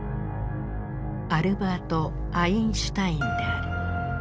アルバート・アインシュタインである。